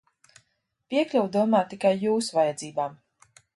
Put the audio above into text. Piekļuve domāta tikai Jūsu vajadzībām!